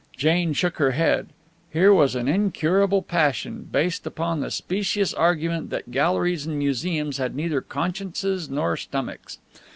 Jane shook her head. Here was an incurable passion, based upon the specious argument that galleries and museums had neither consciences nor stomachs.